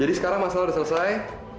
jadi sekarang masalah udah selesai